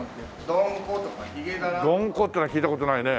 ドンコっていうのは聞いた事ないね。